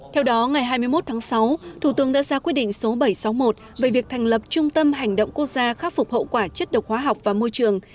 theo đó ngày hai mươi một tháng sáu thủ tướng đã ra quyết định số bảy trăm sáu mươi một về việc thành lập trung tâm hành động quốc gia khắc phục hậu quả chất độc hóa học và môi trường